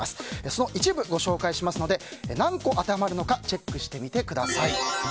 その一部をご紹介しますので何個当てはまるのかチェックしてみてください。